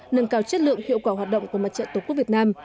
nâng cao chất lượng hiệu quả hoạt động của mặt trận tổ quốc việt nam